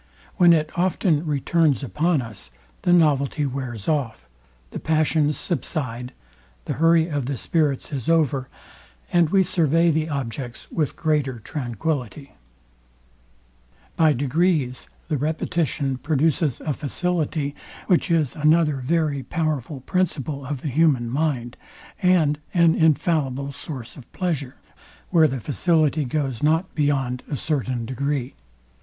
When it often returns upon us, the novelty wears off; the passions subside; the hurry of the spirits is over; and we survey the objects with greater tranquillity. By degrees the repetition produces a facility of the human mind, and an infallible source of pleasure, where the facility goes not beyond a certain degree.